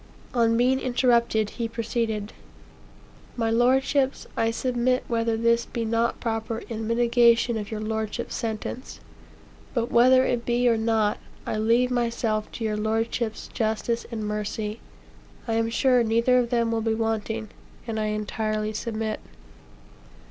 On being interrupted, he proceeded: "My lords, I submit whether this be not proper in mitigation of your lordships' sentence; but whether it be or not, I leave myself to your lordships' justice and mercy; I am sure neither of them will be wanting, and I entirely submit.'